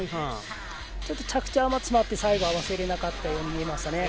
ちょっと着地が詰まって最後、合わせられなかったように見えました。